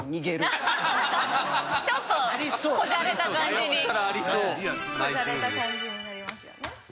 こじゃれた感じになりますよね。